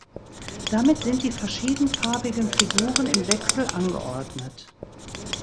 Damit sind die verschiedenfarbigen Figuren im Wechsel angeordnet.